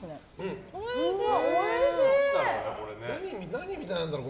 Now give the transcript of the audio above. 何みたいなんだろう